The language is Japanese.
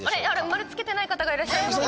丸つけてない方がいらっしゃいますよ。